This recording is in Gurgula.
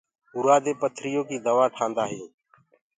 اورآ دي پٿريو ڪي دوآ ٺآندآ هينٚ۔